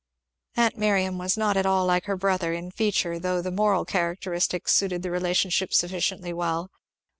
Aunt Miriam was not at all like her brother, in feature, though the moral characteristics suited the relationship sufficiently well.